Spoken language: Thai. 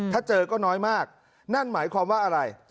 ถ้าเจอก็น้อยมากนั่นหมายความว่าอะไร